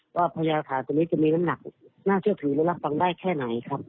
ว่าพยานฐานในนี้จะเนื้อน้ำหนักน่าเชื่อถือและรับฟังได้แค่ไหน